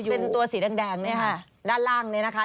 เป็นตัวสีแดงด้านล่างนะคะ